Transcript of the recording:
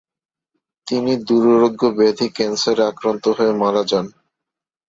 তিনি দুরারোগ্য ব্যাধি ক্যান্সারে আক্রান্ত হয়ে মারা যান।